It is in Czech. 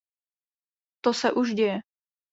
To se už děje.